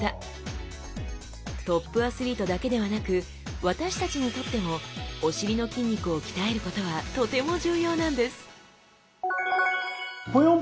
トップアスリートだけではなく私たちにとってもお尻の筋肉を鍛えることはとても重要なんですえ